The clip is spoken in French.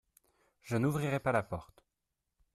Je n’ouvrirai pas la porte.